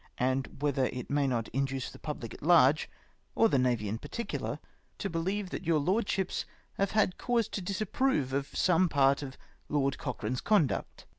And whether it may not induce the public at large, or the Navy in particular, to believe that your Lordships have had cause to disapprove of some part of Lord Cochrane's conduct